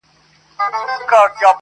زما له ستوني سلامت سر دي ایستلی!!